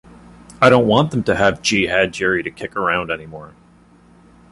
I don't want them to have Jihad Jerry to kick around anymore!